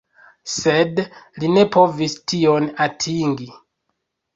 Sed li ne povis tion atingi.